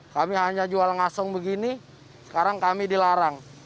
kami hanya jual ngasong begini sekarang kami dilarang